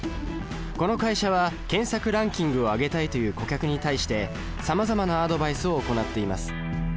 この会社は検索ランキングを上げたいという顧客に対してさまざまなアドバイスを行っています。